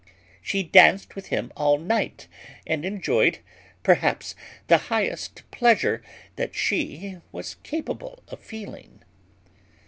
She danced with him all night, and enjoyed, perhaps, the highest pleasure that she was capable of feeling.